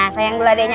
sayang dulu adeknya